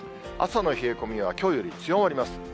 朝の冷え込みはきょうより強まります。